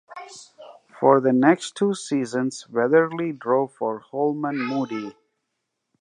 For the next two seasons, Weatherly drove for Holman Moody.